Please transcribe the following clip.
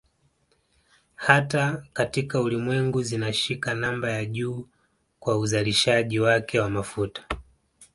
Hata katika Ulimwengu zinashika namba ya juu kwa uzalishaji wake wa mafuta